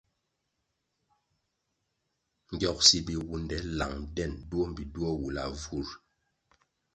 Ngyogsi biwunde lang den duo mbpi duo wulavu ri.